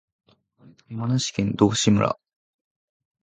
山梨県道志村